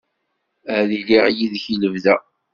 Ad iliɣ yid-k i lebda.